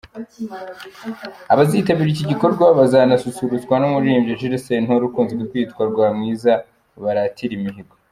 Abazitabira iki gikorwa bazanasusurutswa n’umuririmbyi Jules Sentore ukunze kwiyita ’Rwamwiza baratira imihigo’.